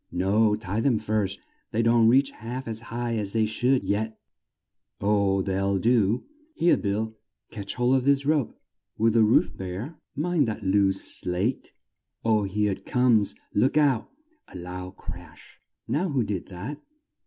No, tie 'em first they don't reach half as high as they should yet oh, they'll do. Here, Bill! catch hold of this rope Will the roof bear? Mind that loose slate oh, here it comes! Look out. (A loud crash.) Now who did that?